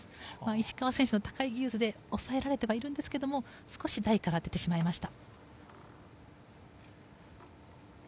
石川選手の高い技術で抑えられてはいるんですが少し台から出てしまいました。